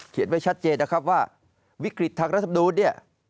ไว้ชัดเจนนะครับว่าวิกฤตทางรัฐมนูลเนี่ย